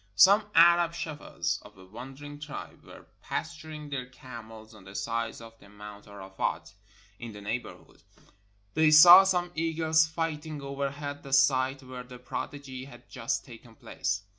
Some Arab shepherds of a wandering tribe were pas turing their camels on the sides of Mount Arafat, in the neighborhood. They saw some eagles fighting overhead the site where the prodigy had just taken place.